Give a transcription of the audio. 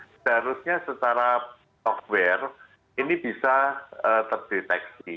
seharusnya secara software ini bisa terdeteksi